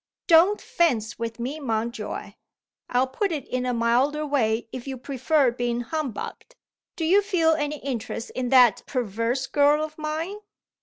"Don't fence with me, Mountjoy! I'll put it in a milder way, if you prefer being humbugged. Do you feel any interest in that perverse girl of mine?"